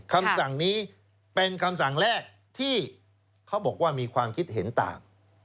คำสั่งนี้เป็นคำสั่งแรกที่เขาบอกว่ามีความคิดเห็นต่าง